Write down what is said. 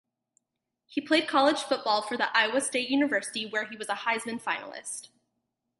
He played college football for Iowa State University where he was a Heisman finalist.